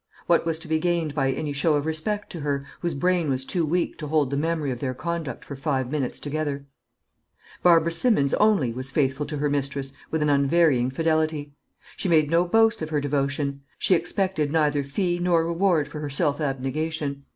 What was to be gained by any show of respect to her, whose brain was too weak to hold the memory of their conduct for five minutes together? Barbara Simmons only was faithful to her mistress with an unvarying fidelity. She made no boast of her devotion; she expected neither fee nor reward for her self abnegation.